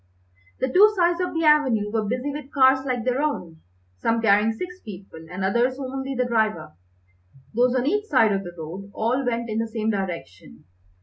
The two sides of the avenue were busy with cars like their own, some carrying six people, and others only the driver. Those on each side of the road all went in the same direction.